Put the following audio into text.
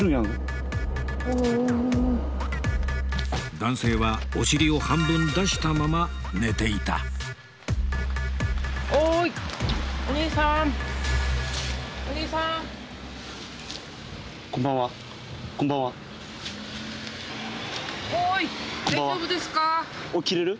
男性はお尻を半分出したまま寝ていたこんばんは起きれる？